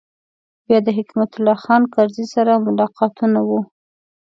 بیا د حکمت الله خان کرزي سره ملاقاتونه و.